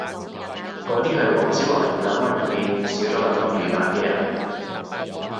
嗰啲係黃子華魚蛋論入面少咗兩粒魚蛋嘅人